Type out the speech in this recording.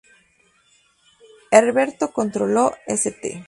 Herberto controló St.